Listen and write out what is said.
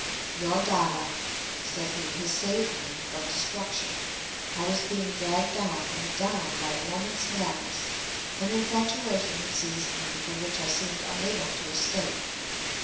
"Your Dada," said he, "has saved me from destruction. I was being dragged down and down by a moments madness. An infatuation had seized me, from which I seemed unable to escape.